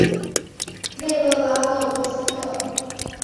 内勒拉勒波斯特。